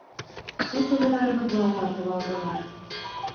Сотовойҙарыбыҙҙы ла тартып алдылар...